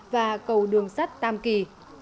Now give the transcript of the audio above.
và cầu đường sắt tam kỳ